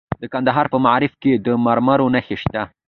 د کندهار په معروف کې د مرمرو نښې شته.